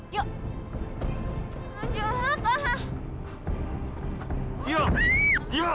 iyah iyah iyah iyah